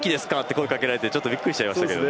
声をかけられてちょっとびっくりしちゃいましたけどね。